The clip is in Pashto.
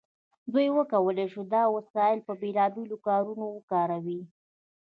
دوی وکولی شول دا وسایل په بیلابیلو کارونو وکاروي.